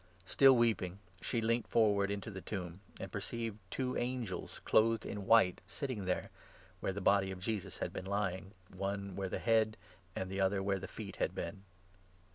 Still weeping, she leant forward Mary. jnto tne tomb, and perceived two angels clothed 12 in white sitting there, where the body of Jesus had been lying, one where the head and the other where the feet had been.